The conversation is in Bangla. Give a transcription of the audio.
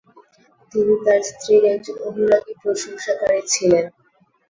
তিনি তার স্ত্রীর একজন অনুরাগী প্রশংসাকারী ছিলেন।